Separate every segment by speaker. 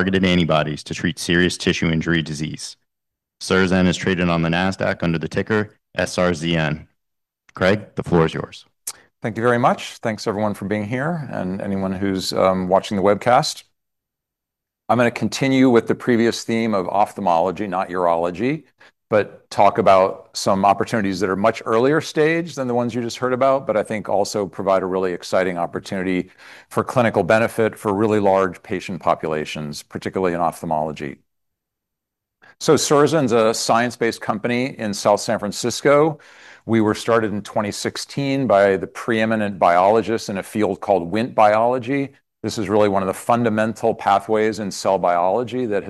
Speaker 1: Targeted antibodies to treat serious tissue injury disease. Surrozen is traded on the NASDAQ under the ticker SRZN. Craig, the floor is yours.
Speaker 2: Thank you very much. Thanks everyone for being here and anyone who's watching the Webcast. I'm going to continue with the previous theme of ophthalmology, not urology, but talk about some opportunities that are much earlier stage than the ones you just heard about. I think also provide a really exciting opportunity for clinical benefit for really large patient populations, particularly in ophthalmology. Surrozen is a science-based company in South San Francisco. We were started in 2016 by the preeminent biologists in a field called Wnt biology. This is really one of the fundamental pathways in cell biology that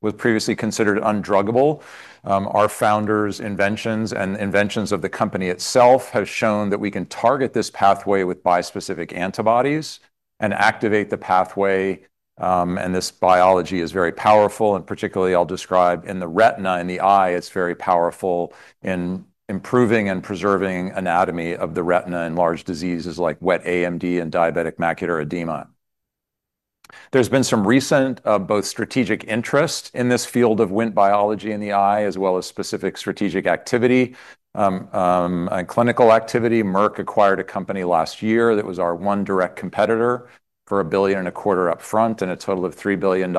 Speaker 2: was previously considered undruggable. Our founders' inventions and inventions of the company itself have shown that we can target this pathway with bispecific antibodies and activate the pathway. This biology is very powerful, and particularly I'll describe in the retina in the eye, it's very powerful in improving and preserving anatomy of the retina in large diseases like wet AMD and diabetic macular edema. There's been some recent both strategic interest in this field of Wnt biology in the eye, as well as specific strategic activity and clinical activity. Merck acquired a company last year that was our one direct competitor for $1.25 billion upfront and a total of $3 billion.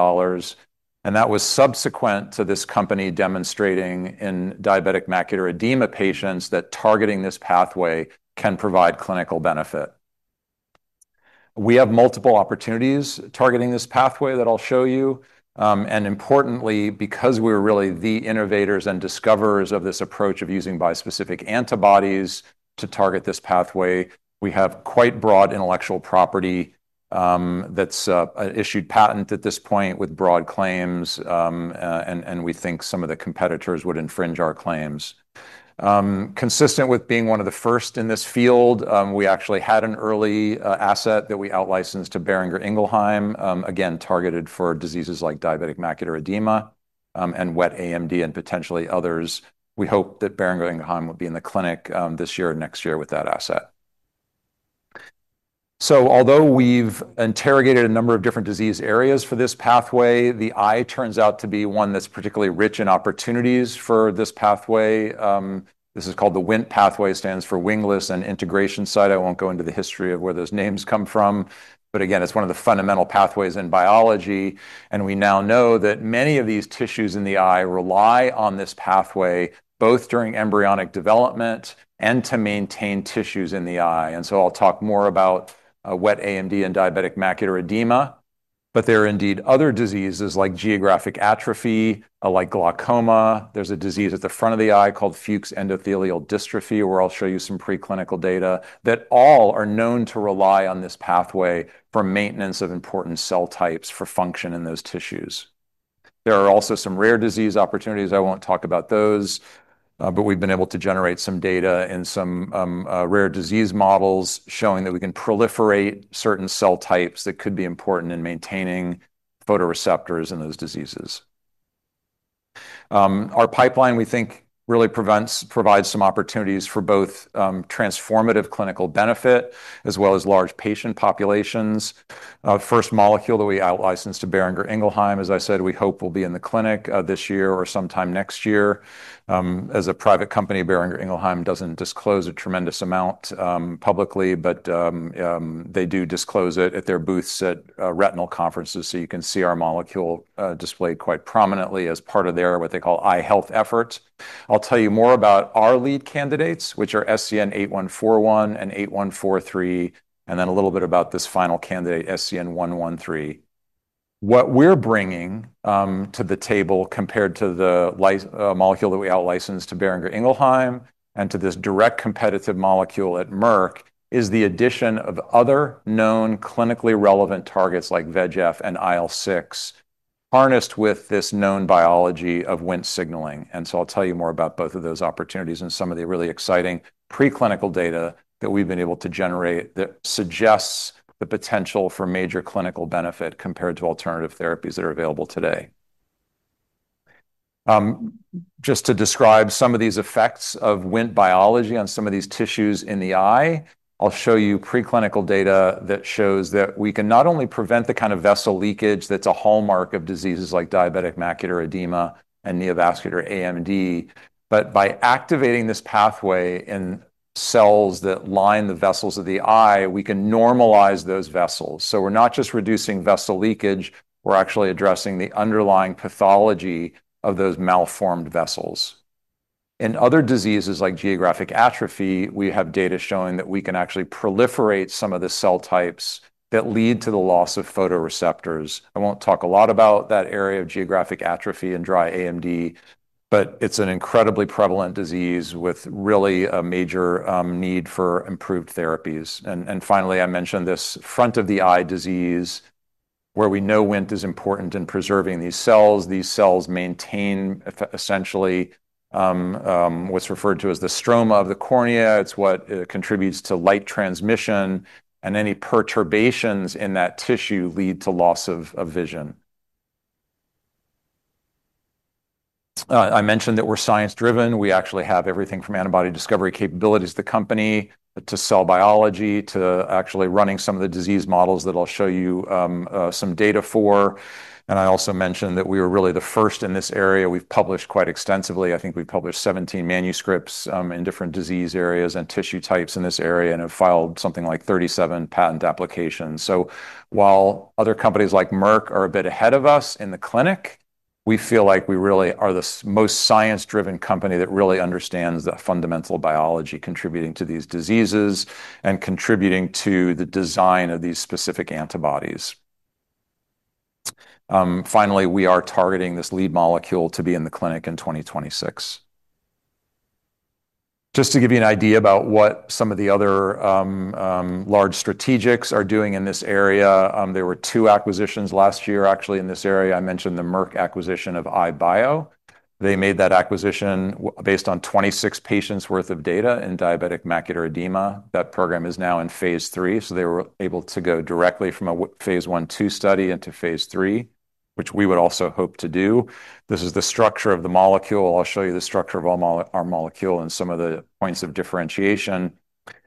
Speaker 2: That was subsequent to this company demonstrating in diabetic macular edema patients that targeting this pathway can provide clinical benefit. We have multiple opportunities targeting this pathway that I'll show you. Importantly, because we're really the innovators and discoverers of this approach of using bispecific antibodies to target this pathway, we have quite broad intellectual property. That's an issued patent at this point with broad claims. We think some of the competitors would infringe our claims. Consistent with being one of the first in this field, we actually had an early asset that we outlicensed to Boehringer Ingelheim, again targeted for diseases like diabetic macular edema and wet AMD and potentially others. We hope that Boehringer Ingelheim will be in the clinic this year or next year with that asset. Although we've interrogated a number of different disease areas for this pathway, the eye turns out to be one that's particularly rich in opportunities for this pathway. This is called the Wnt pathway, stands for Wingless and Integration site. I won't go into the history of where those names come from. It's one of the fundamental pathways in biology. We now know that many of these tissues in the eye rely on this pathway, both during embryonic development and to maintain tissues in the eye. I'll talk more about wet AMD and diabetic macular edema. There are indeed other diseases like geographic atrophy, like glaucoma. There's a disease at the front of the eye called Fuchs endothelial dystrophy, where I'll show you some preclinical data that all are known to rely on this pathway for maintenance of important cell types for function in those tissues. There are also some rare disease opportunities. I won't talk about those, but we've been able to generate some data in some rare disease models showing that we can proliferate certain cell types that could be important in maintaining photoreceptors in those diseases. Our pipeline, we think, really provides some opportunities for both transformative clinical benefit as well as large patient populations. The first molecule that we outlicensed to Boehringer Ingelheim, as I said, we hope will be in the clinic this year or sometime next year. As a private company, Boehringer Ingelheim doesn't disclose a tremendous amount publicly, but they do disclose it at their booths at retinal conferences. You can see our molecule displayed quite prominently as part of their, what they call, eye health efforts. I'll tell you more about our lead candidates, which are SCN-8141 and SCN-8143, and then a little bit about this final candidate, SCN-113. What we're bringing to the table compared to the molecule that we outlicensed to Boehringer Ingelheim and to this direct competitive molecule at Merck is the addition of other known clinically relevant targets like VEGF and IL-6, harnessed with this known biology of Wnt signaling. I'll tell you more about both of those opportunities and some of the really exciting preclinical data that we've been able to generate that suggests the potential for major clinical benefit compared to alternative therapies that are available today. To describe some of these effects of Wnt biology on some of these tissues in the eye, I'll show you preclinical data that shows that we can not only prevent the kind of vessel leakage that's a hallmark of diseases like diabetic macular edema and neovascular AMD, but by activating this pathway in cells that line the vessels of the eye, we can normalize those vessels. We're not just reducing vessel leakage. We're actually addressing the underlying pathology of those malformed vessels. In other diseases like geographic atrophy, we have data showing that we can actually proliferate some of the cell types that lead to the loss of photoreceptors. I won't talk a lot about that area of geographic atrophy and dry AMD, but it's an incredibly prevalent disease with really a major need for improved therapies. Finally, I mentioned this front of the eye disease, where we know Wnt is important in preserving these cells. These cells maintain essentially what's referred to as the stroma of the cornea. It's what contributes to light transmission, and any perturbations in that tissue lead to loss of vision. I mentioned that we're science-driven. We actually have everything from antibody discovery capabilities of the company to cell biology to actually running some of the disease models that I'll show you some data for. I also mentioned that we were really the first in this area. We've published quite extensively. I think we've published 17 manuscripts in different disease areas and tissue types in this area and have filed something like 37 patent applications. While other companies like Merck are a bit ahead of us in the clinic, we feel like we really are the most science-driven company that really understands the fundamental biology contributing to these diseases and contributing to the design of these specific antibodies. Finally, we are targeting this lead molecule to be in the clinic in 2026. Just to give you an idea about what some of the other large strategics are doing in this area, there were two acquisitions last year, actually, in this area. I mentioned the Merck acquisition of iBio. They made that acquisition based on 26 patients' worth of data in diabetic macular edema. That program is now in phase III. They were able to go directly from a phase I/II study into phase III, which we would also hope to do. This is the structure of the molecule. I'll show you the structure of our molecule and some of the points of differentiation.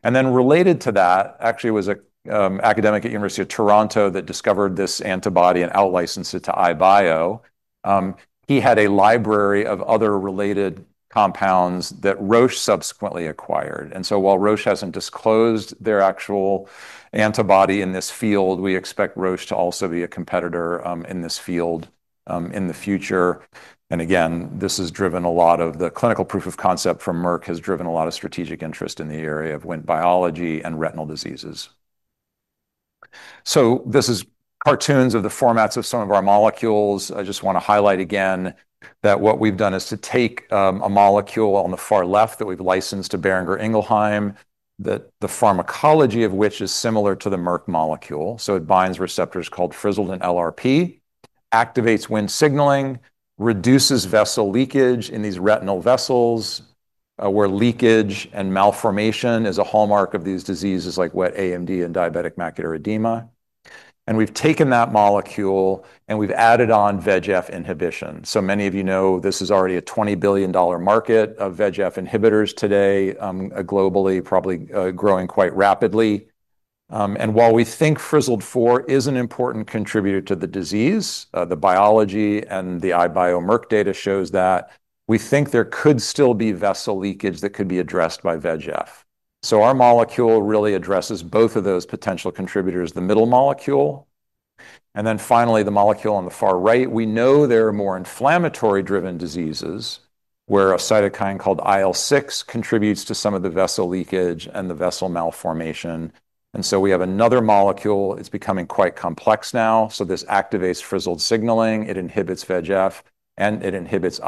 Speaker 2: Related to that, actually, it was an academic at the University of Toronto that discovered this antibody and outlicensed it to iBio. He had a library of other related compounds that Roche subsequently acquired. While Roche hasn't disclosed their actual antibody in this field, we expect Roche to also be a competitor in this field in the future. This has driven a lot of the clinical proof of concept from Merck and has driven a lot of strategic interest in the area of Wnt biology and retinal diseases. These are cartoons of the formats of some of our molecules. I just want to highlight again that what we've done is to take a molecule on the far left that we've licensed to Boehringer Ingelheim, the pharmacology of which is similar to the Merck molecule. It binds receptors called Frizzled and LRP, activates Wnt signaling, and reduces vessel leakage in these retinal vessels, where leakage and malformation is a hallmark of these diseases like wet AMD and diabetic macular edema. We've taken that molecule and we've added on VEGF inhibition. Many of you know this is already a $20 billion market of VEGF inhibitors today, globally, probably growing quite rapidly. While we think Frizzled IV is an important contributor to the disease, the biology and the iBio Merck data show that we think there could still be vessel leakage that could be addressed by VEGF. Our molecule really addresses both of those potential contributors, the middle molecule. Finally, the molecule on the far right, we know there are more inflammatory-driven diseases, where a cytokine called IL-6 contributes to some of the vessel leakage and the vessel malformation. We have another molecule. It's becoming quite complex now. This activates Frizzled signaling, inhibits VEGF, and inhibits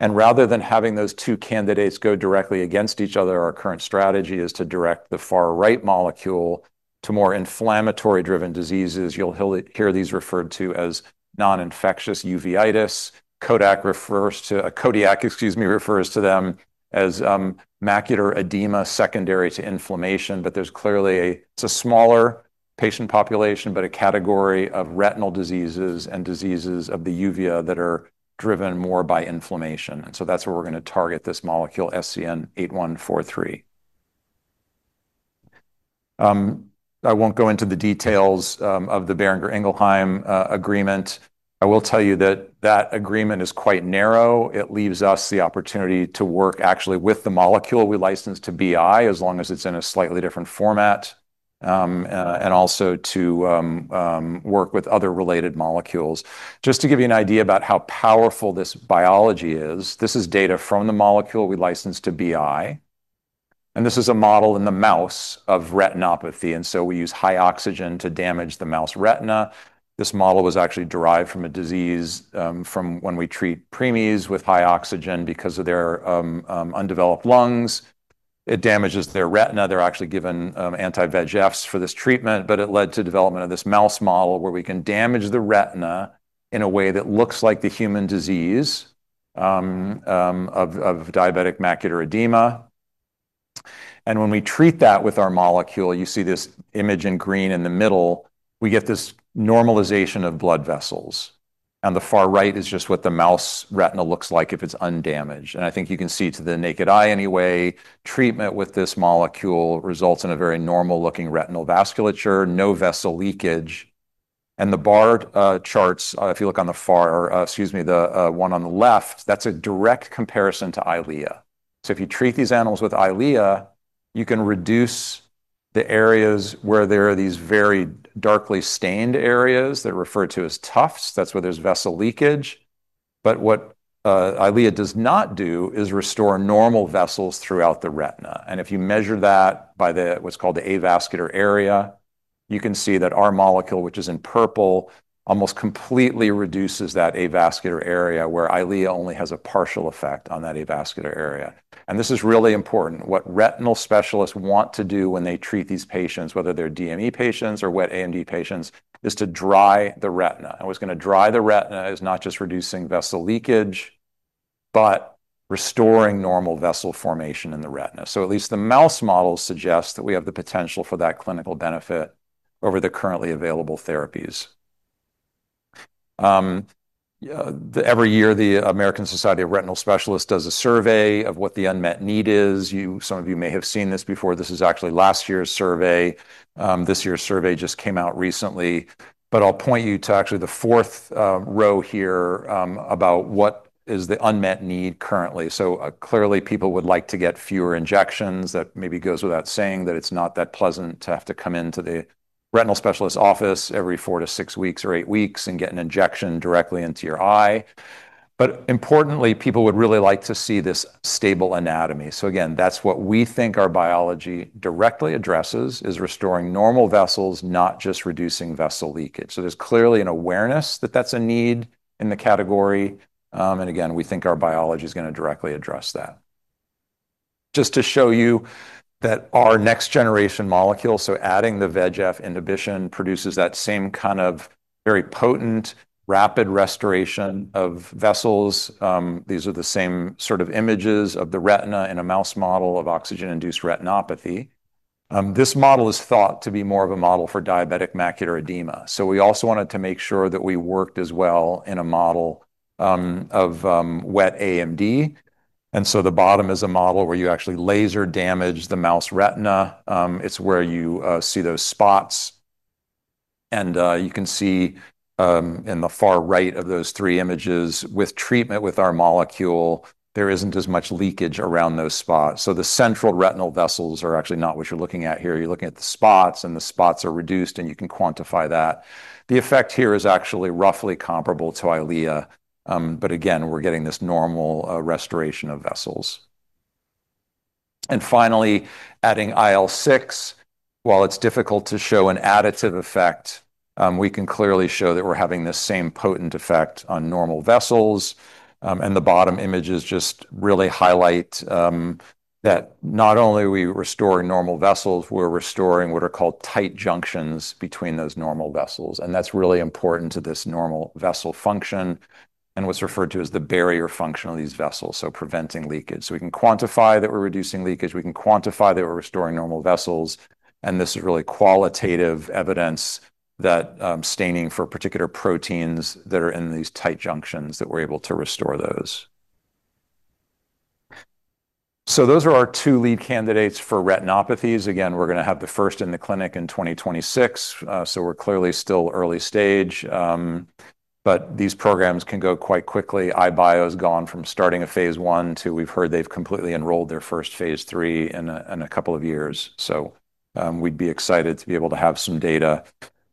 Speaker 2: IL-6. Rather than having those two candidates go directly against each other, our current strategy is to direct the far-right molecule to more inflammatory-driven diseases. You'll hear these referred to as non-infectious uveitis. Kodiak, excuse me, refers to them as macular edema secondary to inflammation. There's clearly a smaller patient population, but a category of retinal diseases and diseases of the uvea that are driven more by inflammation. That's where we're going to target this molecule, SCN-8143. I won't go into the details of the Boehringer Ingelheim agreement. I will tell you that that agreement is quite narrow. It leaves us the opportunity to work actually with the molecule we licensed to BI, as long as it's in a slightly different format, and also to work with other related molecules. Just to give you an idea about how powerful this biology is, this is data from the molecule we licensed to BI. This is a model in the mouse of retinopathy. We use high oxygen to damage the mouse retina. This model was actually derived from a disease from when we treat preemies with high oxygen because of their undeveloped lungs. It damages their retina. They're actually given anti-VEGFs for this treatment, but it led to the development of this mouse model where we can damage the retina in a way that looks like the human disease of diabetic macular edema. When we treat that with our molecule, you see this image in green in the middle, we get this normalization of blood vessels. The far right is just what the mouse retina looks like if it's undamaged. I think you can see to the naked eye anyway, treatment with this molecule results in a very normal-looking retinal vasculature, no vessel leakage. The bar charts, if you look on the far, or excuse me, the one on the left, that's a direct comparison to Eylea. If you treat these animals with Eylea, you can reduce the areas where there are these very darkly stained areas that are referred to as tufts. That's where there's vessel leakage. What Eylea does not do is restore normal vessels throughout the retina. If you measure that by what's called the avascular area, you can see that our molecule, which is in purple, almost completely reduces that avascular area where Eylea only has a partial effect on that avascular area. This is really important. What retinal specialists want to do when they treat these patients, whether they're DME patients or wet AMD patients, is to dry the retina. Drying the retina is not just reducing vessel leakage, but restoring normal vessel formation in the retina. At least the mouse models suggest that we have the potential for that clinical benefit over the currently available therapies. Every year, the American Society of Retinal Specialists does a survey of what the unmet need is. Some of you may have seen this before. This is actually last year's survey. This year's survey just came out recently. I'll point you to actually the fourth row here about what is the unmet need currently. Clearly, people would like to get fewer injections. That maybe goes without saying that it's not that pleasant to have to come into the retinal specialist's office every four to six weeks or eight weeks and get an injection directly into your eye. Importantly, people would really like to see this stable anatomy. That's what we think our biology directly addresses: restoring normal vessels, not just reducing vessel leakage. There's clearly an awareness that that's a need in the category. We think our biology is going to directly address that. To show you that our next-generation molecule, adding the VEGF inhibition produces that same kind of very potent, rapid restoration of vessels. These are the same sort of images of the retina in a mouse model of oxygen-induced retinopathy. This model is thought to be more of a model for diabetic macular edema. We also wanted to make sure that we worked as well in a model of wet AMD. The bottom is a model where you actually laser damage the mouse retina. It's where you see those spots. You can see in the far right of those three images, with treatment with our molecule, there isn't as much leakage around those spots. The central retinal vessels are actually not what you're looking at here. You're looking at the spots, and the spots are reduced, and you can quantify that. The effect here is actually roughly comparable to Eylea. We're getting this normal restoration of vessels. Finally, adding IL-6, while it's difficult to show an additive effect, we can clearly show that we're having this same potent effect on normal vessels. The bottom images really highlight that not only are we restoring normal vessels, we're restoring what are called tight junctions between those normal vessels. That's really important to this normal vessel function and what's referred to as the barrier function of these vessels, preventing leakage. We can quantify that we're reducing leakage. We can quantify that we're restoring normal vessels. This is really qualitative evidence that staining for particular proteins that are in these tight junctions, we're able to restore those. Those are our two lead candidates for retinopathies. We're going to have the first in the clinic in 2026. We're clearly still early stage, but these programs can go quite quickly. iBio has gone from starting a phase I to we've heard they've completely enrolled their first phase III in a couple of years. We'd be excited to be able to have some data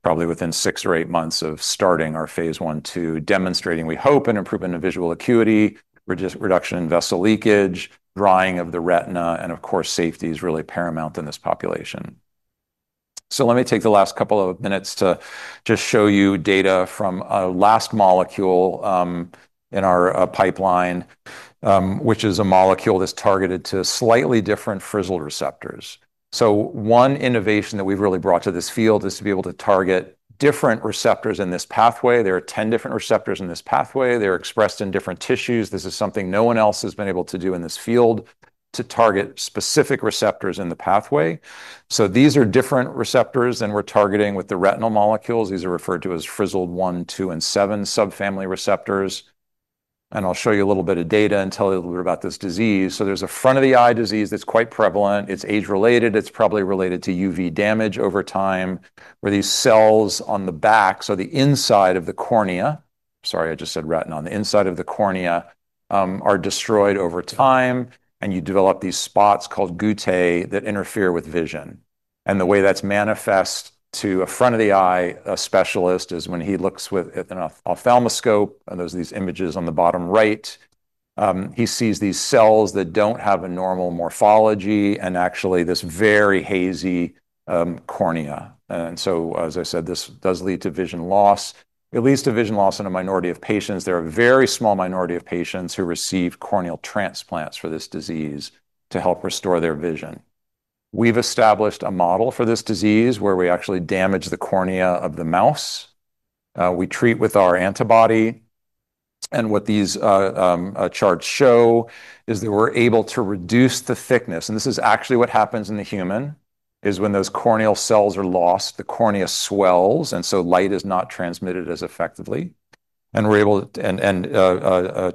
Speaker 2: probably within six or eight months of starting our phase I to demonstrating, we hope, an improvement in visual acuity, reduction in vessel leakage, drying of the retina, and of course, safety is really paramount in this population. Let me take the last couple of minutes to just show you data from our last molecule in our pipeline, which is a molecule that's targeted to slightly different Frizzled receptors. One innovation that we've really brought to this field is to be able to target different receptors in this pathway. There are 10 different receptors in this pathway. They're expressed in different tissues. This is something no one else has been able to do in this field to target specific receptors in the pathway. These are different receptors than we're targeting with the retinal molecules. These are referred to as Frizzled I, II, and VII subfamily receptors. I'll show you a little bit of data and tell you a little bit about this disease. There's a front of the eye disease that's quite prevalent. It's age-related. It's probably related to UV damage over time, where these cells on the back, so the inside of the cornea, sorry, I just said retina, on the inside of the cornea are destroyed over time. You develop these spots called guttae that interfere with vision. The way that's manifest to a front of the eye specialist is when he looks with an ophthalmoscope. Those are these images on the bottom right. He sees these cells that don't have a normal morphology and actually this very hazy cornea. As I said, this does lead to vision loss. It leads to vision loss in a minority of patients. There are a very small minority of patients who receive corneal transplants for this disease to help restore their vision. We've established a model for this disease where we actually damage the cornea of the mouse. We treat with our antibody. What these charts show is that we're able to reduce the thickness. This is actually what happens in the human, is when those corneal cells are lost, the cornea swells, and so light is not transmitted as effectively. A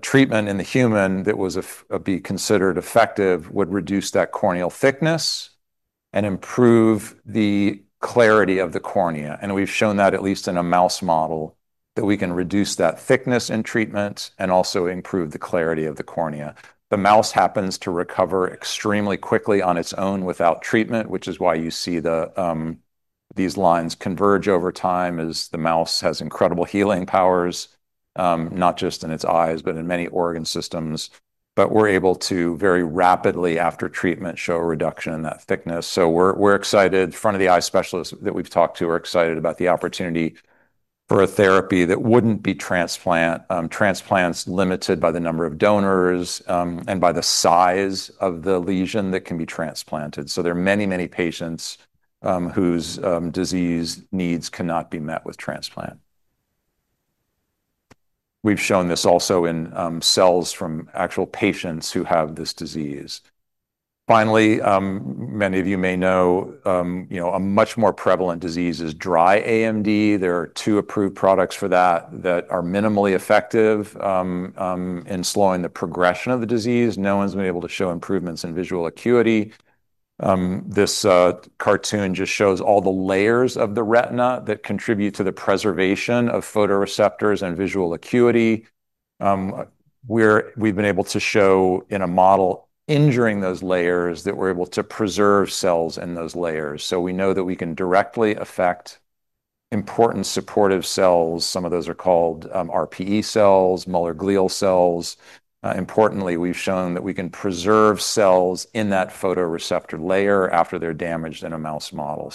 Speaker 2: treatment in the human that would be considered effective would reduce that corneal thickness and improve the clarity of the cornea. We've shown that at least in a mouse model, that we can reduce that thickness in treatment and also improve the clarity of the cornea. The mouse happens to recover extremely quickly on its own without treatment, which is why you see these lines converge over time as the mouse has incredible healing powers, not just in its eyes, but in many organ systems. We are able to very rapidly, after treatment, show a reduction in that thickness. We are excited. Front of the eye specialists that we've talked to are excited about the opportunity for a therapy that wouldn't be transplant. Transplants are limited by the number of donors and by the size of the lesion that can be transplanted. There are many, many patients whose disease needs cannot be met with transplant. We've shown this also in cells from actual patients who have this disease. Finally, many of you may know a much more prevalent disease is dry AMD. There are two approved products for that that are minimally effective in slowing the progression of the disease. No one's been able to show improvements in visual acuity. This cartoon just shows all the layers of the retina that contribute to the preservation of photoreceptors and visual acuity. We've been able to show in a model injuring those layers that we're able to preserve cells in those layers. We know that we can directly affect important supportive cells. Some of those are called RPE cells, Muller-Glial cells. Importantly, we've shown that we can preserve cells in that photoreceptor layer after they're damaged in a mouse model.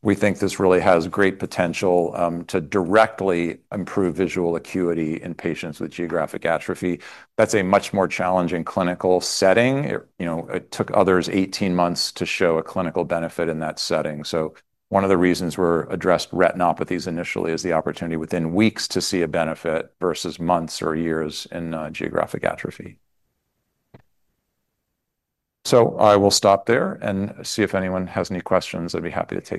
Speaker 2: We think this really has great potential to directly improve visual acuity in patients with geographic atrophy. That's a much more challenging clinical setting. It took others 18 months to show a clinical benefit in that setting. One of the reasons we addressed retinopathies initially is the opportunity within weeks to see a benefit versus months or years in geographic atrophy. I will stop there and see if anyone has any questions. I'd be happy to.